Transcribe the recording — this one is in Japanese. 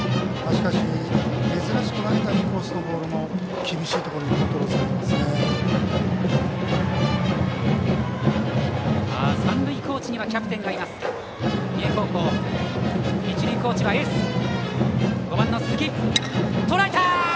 しかし珍しく投げたインコースのボールも厳しいところにコントロールされてますね。